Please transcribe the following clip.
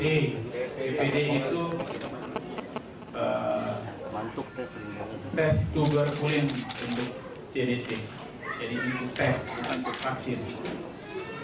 ppd itu tes tuberkulin untuk tdc